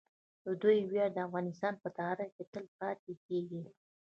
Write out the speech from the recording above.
د دوی ویاړ د افغانستان په تاریخ کې تل پاتې کیږي.